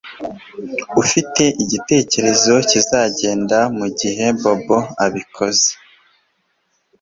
Ufite igitekerezo kizagenda mugihe Bobo abikoze